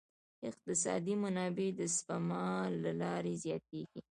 اقتصادي منابع د سپما له لارې زیاتیږي.